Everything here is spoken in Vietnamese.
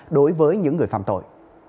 đối với những người phạm tội